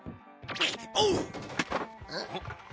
おう！